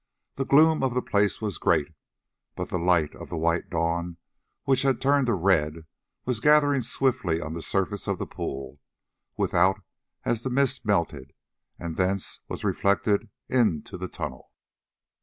The gloom of the place was great, but the light of the white dawn, which had turned to red, was gathering swiftly on the surface of the pool without as the mist melted, and thence was reflected into the tunnel.